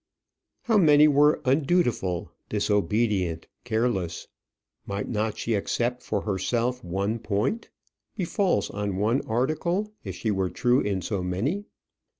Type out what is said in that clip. How many were undutiful, disobedient, careless? Might not she except for herself one point? be false on one article if she were true in so many?